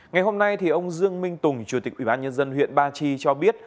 ngày hôm nay ông dương minh tùng chủ tịch ủy ban nhân dân huyện ba chi cho biết